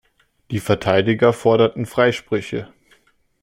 Die Verteidiger forderten Freisprüche.